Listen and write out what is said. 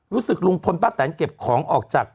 ลุงพลป้าแตนเก็บของออกจาก